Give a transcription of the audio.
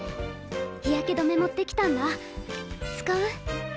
日焼け止め持ってきたんだ使う？